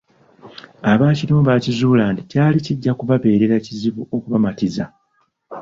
Abaakirimu baakizuula nti kyali kijja kubabeerera kizibu okubamattiza